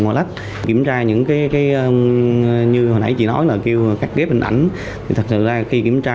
ngoài lách kiểm tra những cái như hồi nãy chị nói là kêu cắt ghép hình ảnh thì thật ra khi kiểm tra